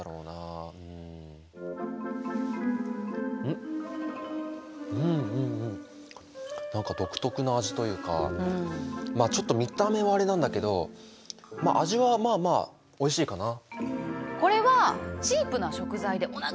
んっんんん何か独特な味というかまあちょっと見た目はあれなんだけど味はまあまあおいしいかな。